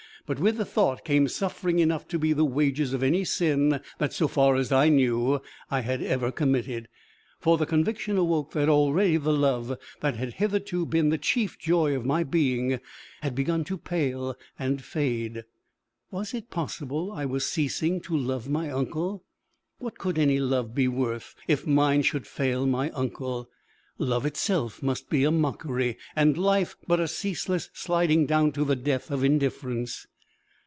But with the thought came suffering enough to be the wages of any sin that, so far as I knew, I had ever committed. For the conviction awoke that already the love that had hitherto been the chief joy of my being, had begun to pale and fade. Was it possible I was ceasing to love my uncle? What could any love be worth if mine should fail my uncle! Love itself must be a mockery, and life but a ceaseless sliding down to the death of indifference!